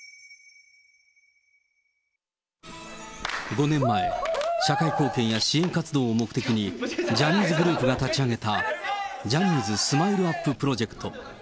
５年前、社会貢献や支援活動を目的に、ジャニーズグループが立ち上げた、ジャニーズスマイルアッププロジェクト。